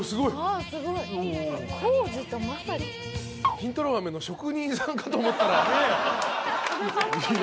金太郎飴の職人さんかと思ったら。